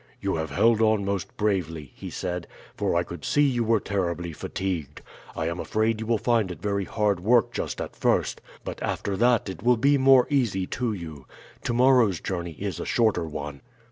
"You have held on most bravely," he said; "for I could see you were terribly fatigued. I am afraid you will find it very hard work just at first, but after that it will be more easy to you. To morrow's journey is a shorter one."